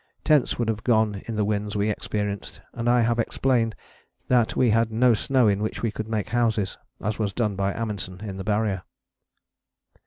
Tents would have gone in the winds we experienced, and I have explained that we had no snow in which we could make houses, as was done by Amundsen in the Barrier.